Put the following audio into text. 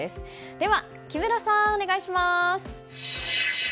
では木村さん、お願いします。